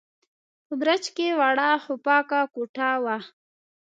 په برج کې وړه، خو پاکه کوټه وه.